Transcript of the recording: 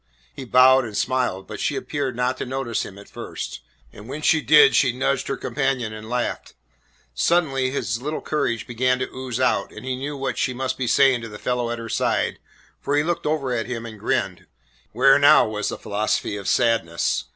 He bowed and smiled, but she appeared not to notice him at first, and when she did she nudged her companion and laughed. Suddenly his little courage began to ooze out, and he knew what she must be saying to the fellow at her side, for he looked over at him and grinned. Where now was the philosophy of Sadness?